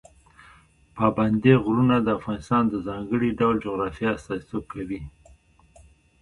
پابندی غرونه د افغانستان د ځانګړي ډول جغرافیه استازیتوب کوي.